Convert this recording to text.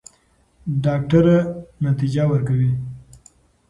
ډاکټره نتیجه ورکوي.